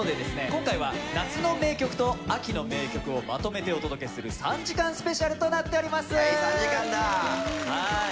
今回は夏の名曲と秋の名曲をまとめてお届けする３時間ＳＰとなっておりますはい